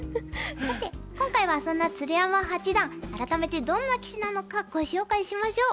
さて今回はそんな鶴山八段改めてどんな棋士なのかご紹介しましょう。